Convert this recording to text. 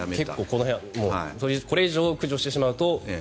この辺はこれ以上、駆除してしまうと。